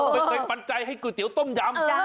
ไม่เคยปันใจให้ก๋วยเตี๋ยวต้มยำ